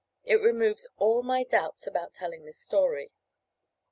It removes all my doubts about telling this story.